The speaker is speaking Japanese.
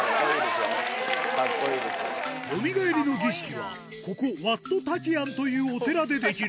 よみがえりの儀式は、ここ、ワット・タキアンというお寺でできる。